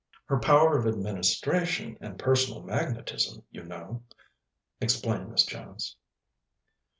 "Her power of administration and personal magnetism, you know," explained Miss Jones.